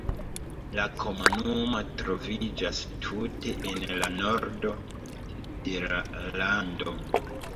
La komunumo troviĝas tute en la nordo de la lando.